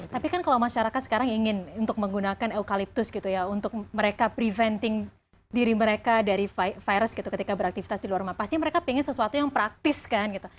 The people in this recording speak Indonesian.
tapi kan kalau masyarakat sekarang ingin untuk menggunakan eukaliptus gitu ya untuk mereka preventing diri mereka dari virus gitu ketika beraktivitas di luar rumah pasti mereka ingin sesuatu yang praktis kan gitu